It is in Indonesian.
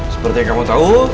seperti yang kamu tau